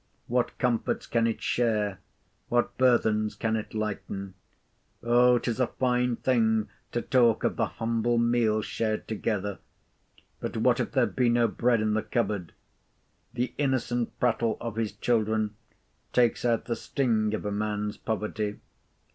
What comforts can it share? what burthens can it lighten? Oh, 'tis a fine thing to talk of the humble meal shared together! But what if there be no bread in the cupboard? The innocent prattle of his children takes out the sting of a man's poverty.